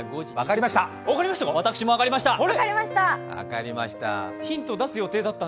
私、分かりました。